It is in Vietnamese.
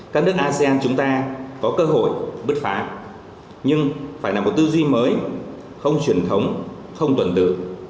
hội nghị asean chúng ta có cơ hội bứt phá nhưng phải nằm vào tư duy mới không truyền thống không tuần tự